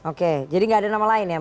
oke jadi nggak ada nama lain ya